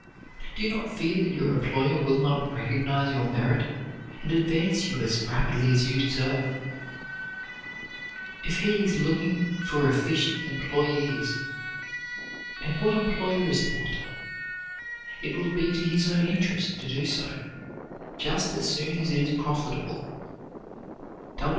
Do not fear that your employer will not recognize your merit and advance you as rapidly as you deserve. It he is looking for efficient employees, and what employer is not? it will be to his own interest to do so, just as soon as it is profitable.